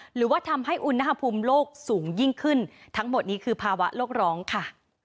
หรือว่าทำให้อุณหภูมิโลกสูงยิ่งขึ้นทั้งหมดนี้คือภาวะโลกร้องค่ะ